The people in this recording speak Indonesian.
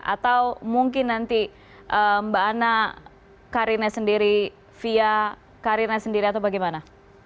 atau mungkin nanti mbak anna karirnya sendiri fia karirnya sendiri atau bagaimana